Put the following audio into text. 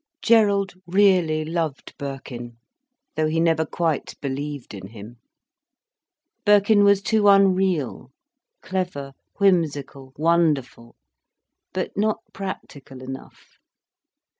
Gerald really loved Birkin, though he never quite believed in him. Birkin was too unreal;—clever, whimsical, wonderful, but not practical enough.